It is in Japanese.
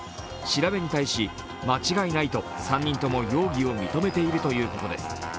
調べに対し、間違いないと３人とも容疑を認めているということです。